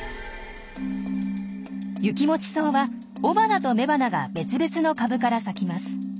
ユキモチソウは雄花と雌花が別々の株から咲きます。